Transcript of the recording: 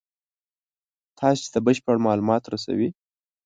تاسې ته بشپړ مالومات رسوي.